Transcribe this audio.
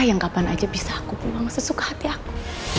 yang kapan aja bisa aku buang sesuka hati aku